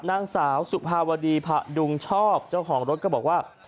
นางสาวสุภาวดีผะดุงชอบเจ้าของรถก็บอกว่า